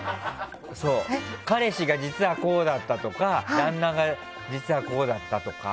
彼氏が実はこうだったとか旦那が実はこうだったとか。